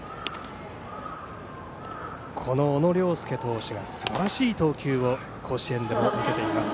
小野涼介投手がすばらしい投球を甲子園でも見せています。